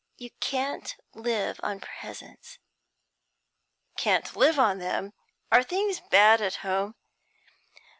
You can't live on presents.' 'Can't live on them? Are things bad at home?'